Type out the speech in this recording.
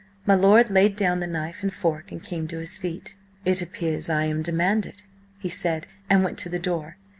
My lord laid down the knife and fork and came to his feet. "It appears I am demanded," he said, and went to the door.